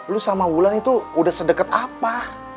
lu sama ulan itu udah sedeket apa